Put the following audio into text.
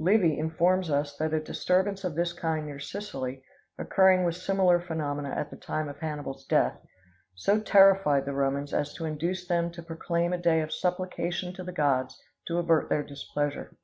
Livy informs us that a disturbance of this kind near Sicily, occurring with similar phenomena at the time of Hannibal's death, so terrified the Romans as to induce them to proclaim a day of supplication to the gods to avert their displeasure.